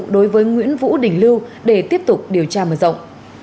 đối với nguyễn vũ đình lưu để tiếp tục điều tra mở rộng